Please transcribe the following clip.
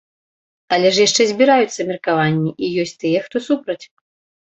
Але ж яшчэ збіраюцца меркаванні, і ёсць тыя, хто супраць.